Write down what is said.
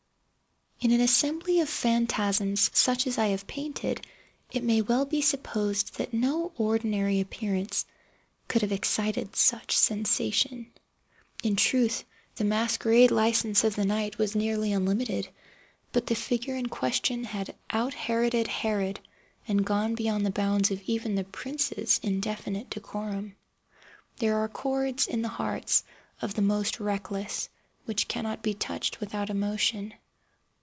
In an assembly of phantasms such as I have painted, it may well be supposed that no ordinary appearance could have excited such sensation. In truth the masquerade licence of the night was nearly unlimited; but the figure in question had out Heroded Herod, and gone beyond the bounds of even the prince's indefinite decorum. There are chords in the hearts of the most reckless which cannot be touched without emotion.